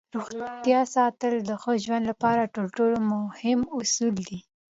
روغتیا ساتل د ښه ژوند لپاره تر ټولو مهم اصل دی